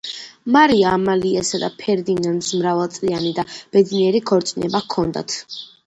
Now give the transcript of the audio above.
მარია ამალიასა და ფერდინანდს მრავალწლიანი და ბედნიერი ქორწინება ჰქონდათ.